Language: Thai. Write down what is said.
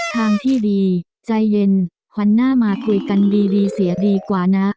ทางที่ดีใจเย็นหันหน้ามาคุยกันดีเสียดีกว่านะ